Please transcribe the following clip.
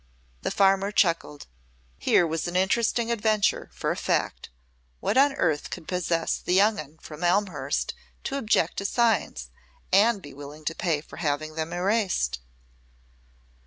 The farmer chuckled. Here was an interesting adventure, for a fact. What on earth could possess the "young 'un" from Elmhurst to object to signs, and be willing to pay for having them erased?